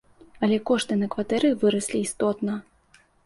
Але кошты на кватэры выраслі істотна.